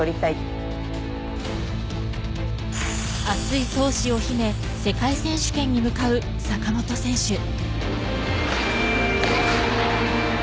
熱い闘志を秘め世界選手権に向かう坂本選手。